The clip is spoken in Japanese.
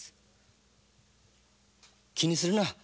気にするな。